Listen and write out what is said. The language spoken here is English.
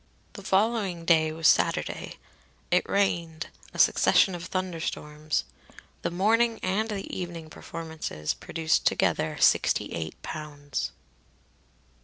The following day was Saturday. It rained a succession of thunderstorms. The morning and the evening performances produced together sixty eight pounds.